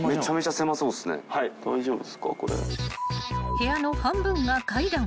［部屋の半分が階段］